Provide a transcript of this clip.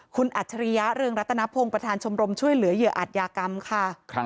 คุณอัจฉริยะเรืองรัตนพงศ์ประธานชมรมช่วยเหลือเหยื่ออัตยากรรมค่ะ